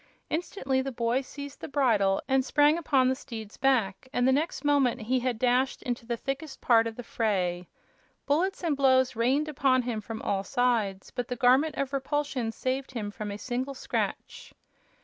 Instantly the boy seized the bridle and sprang upon the steed's back, and the next moment he had dashed into the thickest part of the fray. Bullets and blows rained upon him from all sides, but the Garment of Repulsion saved him from a single scratch.